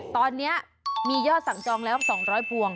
ตอนนี้มียอดสั่งจองแล้ว๒๐๐พวง